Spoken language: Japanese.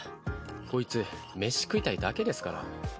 こいつ飯食いたいだけですから。